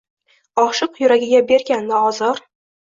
Oshiq yuragiga berganda ozor